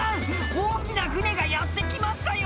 大きな船がやって来ましたよ。